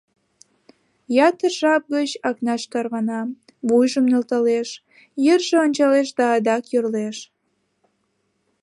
...Ятыр жап гыч Акнаш тарвана, вуйжым нӧлталеш, йырже ончалеш да адак йӧрлеш...